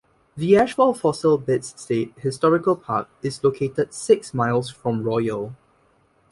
The Ashfall Fossil Beds State Historical Park is located six miles from Royal.